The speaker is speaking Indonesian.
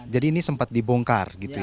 ini sempat dibongkar gitu ya